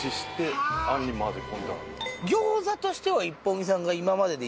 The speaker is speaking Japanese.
餃子としては。